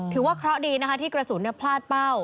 ถือว่าเคราะห์ดีนะคะที่กระสุนพลาดเป้า